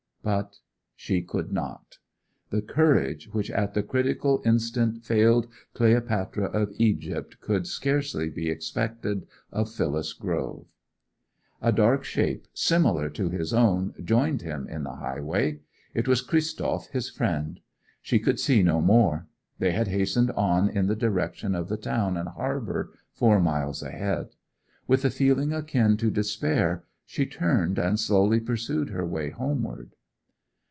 But she could not. The courage which at the critical instant failed Cleopatra of Egypt could scarcely be expected of Phyllis Grove. A dark shape, similar to his own, joined him in the highway. It was Christoph, his friend. She could see no more; they had hastened on in the direction of the town and harbour, four miles ahead. With a feeling akin to despair she turned and slowly pursued her way homeward.